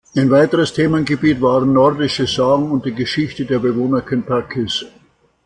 Ein weiteres Themengebiet waren nordische Sagen und die Geschichte der Bewohner Kentuckys.